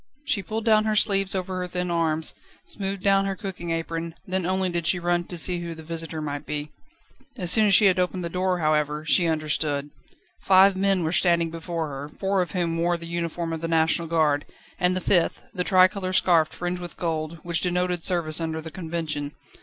She pulled down her sleeves over her thin arms, smoothed down her cooking apron, then only did she run to see who the visitor might be. As soon as she had opened the door, however, she understood. Five men were standing before her, four of whom wore the uniform of the National Guard, and the fifth, the tricolour scarf fringed with gold, which denoted service under the Convention.